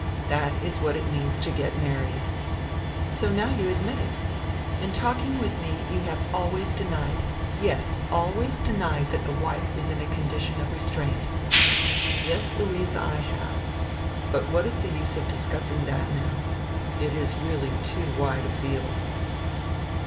That is what it means to get married." "So now you admit it. In talking widi me you have always denied, yes, always denied diat die wife is in a condition of restraint." "Yes, Luise, I have. But what is die use of discussing diat now? It is really too wide a field."